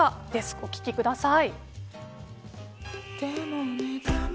お聞きください。